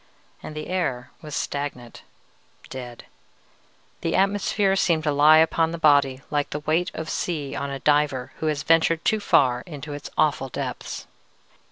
"And the air was stagnant, dead. The atmosphere seemed to lie upon the body like the weight of sea on a diver who has ventured too far into its awful depths.